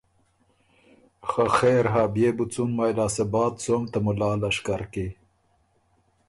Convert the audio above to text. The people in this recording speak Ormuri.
خه خېرهۀ بيې بو څُون مایٛ لاسته بعد څوم ته ملا لشکر کی۔